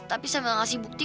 tapi sambil ngasih bukti